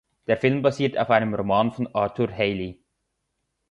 Der Film basiert auf einem Roman von Arthur Hailey.